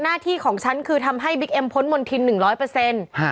หน้าที่ของฉันคือทำให้บิ๊กเอ็มพ้นมณฑินหนึ่งร้อยเปอร์เซ็นต์ฮะ